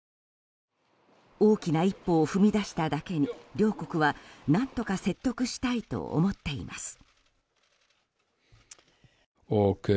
大きな一歩を踏み出しただけに両国は何とか説得したいと思っています。